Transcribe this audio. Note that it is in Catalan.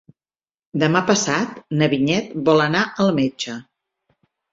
Demà passat na Vinyet vol anar al metge.